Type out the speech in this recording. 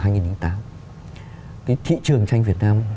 thị trường tranh việt nam